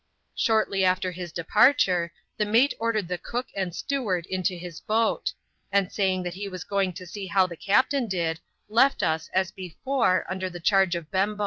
Shortly after his departure, the mate ordered the cook and steward into his boat ; and saying that he was going to see how the captain did, left us, as before, under the charge of Bembo.